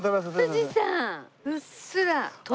富士山うっすら。